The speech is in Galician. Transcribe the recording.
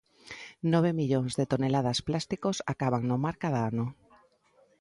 Nove millóns de toneladas plásticos acaban no mar cada ano.